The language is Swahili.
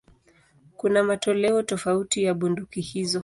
Kuna matoleo tofauti ya bunduki hizo.